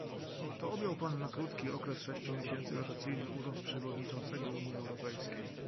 Oto objął pan na krótki okres sześciu miesięcy rotacyjny urząd przewodniczącego Unii Europejskiej